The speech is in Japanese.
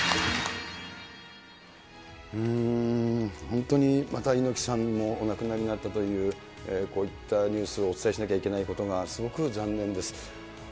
本当にまた、猪木さんもお亡くなりになったという、こういったニュースをお伝えしなきゃいけないことが、すごく残念です。